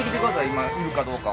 今いるかどうか。